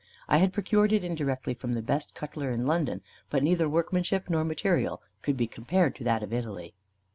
I had procured it indirectly from the best cutler in London, but neither workmanship nor material could be compared to that of Italy.